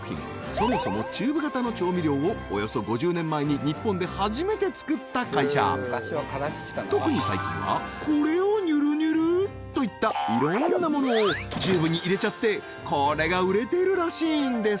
そもそもチューブ型の調味料をおよそ５０年前に日本で初めて作った会社特に最近はこれをにゅるにゅる！？といったいろんなものをチューブに入れちゃってこれが売れているらしいんです